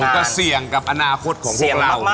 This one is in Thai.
โอ้โฮก็เสี่ยงกับอนาคตของพวกเรา